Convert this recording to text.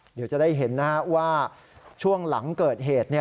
เดี๋ยวจะได้เห็นว่าช่วงหลังเกิดเหตุ